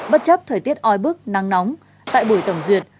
bất chấp thời tiết oi bức năng nóng tại buổi tổng duyệt